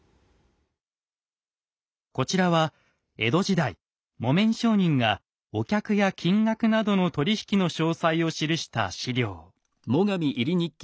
こちらは江戸時代木綿商人がお客や金額などの取り引きの詳細を記した史料。